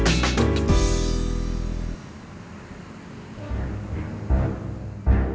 terima kasih bang